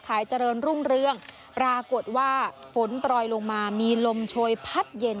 เจริญรุ่งเรืองปรากฏว่าฝนปล่อยลงมามีลมโชยพัดเย็น